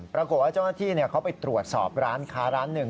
ปรากฏว่าเจ้าหน้าที่เขาไปตรวจสอบร้านค้าร้านหนึ่ง